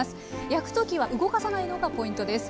焼く時は動かさないのがポイントです。